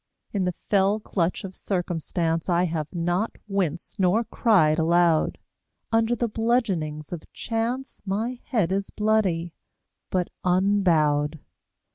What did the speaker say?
In the fell clutch of circumstance I have not winced nor cried aloud, Under the bludgeonings of chance My head is bloody, but unbowed.